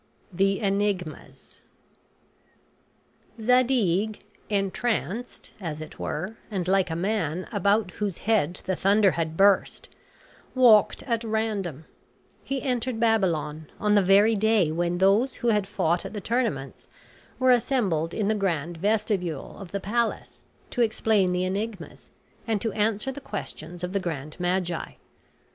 THE ENIGMAS Zadig, entranced, as it were, and like a man about whose head the thunder had burst, walked at random. He entered Babylon on the very day when those who had fought at the tournaments were assembled in the grand vestibule of the palace to explain the enigmas and to answer the questions of the grand magi.